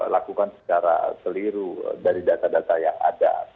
lakukan secara keliru dari data data yang ada